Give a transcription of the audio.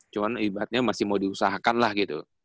cuman ibadahnya masih mau diusahakan lah gitu